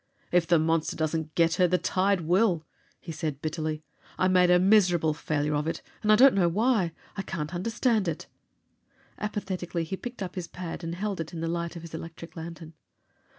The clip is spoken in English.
"If the monster doesn't get her, the tide will!" he said bitterly. "I made a miserable failure of it! And I don't know why! I can't understand it!" Apathetically, he picked up his pad and held it in the light of his electric lantern.